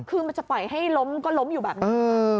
คือมันจะไปให้ล้มก็ล้มอยู่แบบนี้